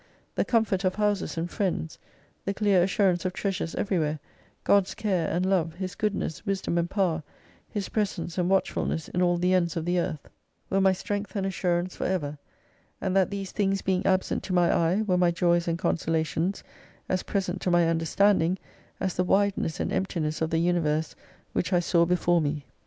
The comfort of houses and friends, the clear assurance of treasures everywhere, God's care and love, His good ness, wisdom, and power, His presence and watchful ness in all the ends of the earth, were my strength and 175 assurance for ever : and that these things being absent to my eye, were my joys and consolations, as present to my understanding as the wideness and emptiness of the Universe which I saw before me.